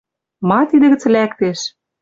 Ма тидӹ гӹц лӓктеш.